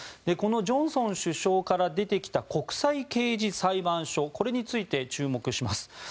このジョンソン首相から出てきた国際刑事裁判所これについて注目します。